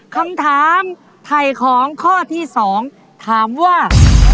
คำถามไถ่ของข้อที่๒ถามว่า